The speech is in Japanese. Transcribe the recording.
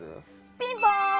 ピンポーン！